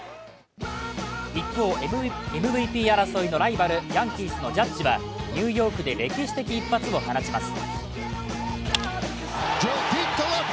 一方、ＭＶＰ争いのライバルヤンキースのジャッジはニューヨークで歴史的一発を放ちます。